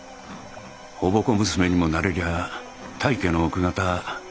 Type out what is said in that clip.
おぼこ娘にもなれりゃ大家の奥方